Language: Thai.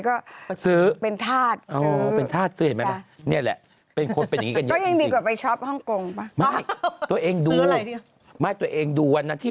เขาบอกเขานั่งคิดจนปึ้งขึ้นมาเองอย่างนี้